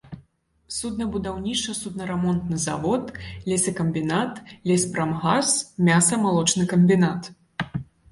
Суднабудаўніча-суднарамонтны завод, лесакамбінат, леспрамгас, мяса-малочны камбінат.